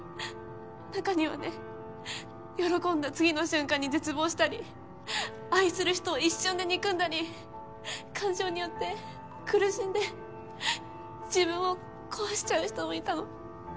中にはね喜んだ次の瞬間に絶望したり愛する人を一瞬で憎んだり感情によって苦しんで自分を壊しちゃう人もいたの。